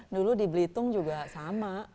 dulu di belitung juga sama